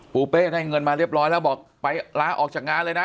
เป้ได้เงินมาเรียบร้อยแล้วบอกไปลาออกจากงานเลยนะ